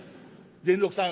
善六さん